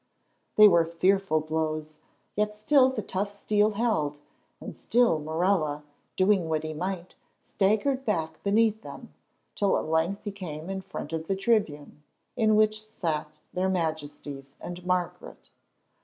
They were fearful blows, yet still the tough steel held, and still Morella, doing what he might, staggered back beneath them, till at length he came in front of the tribune, in which sat their Majesties and Margaret.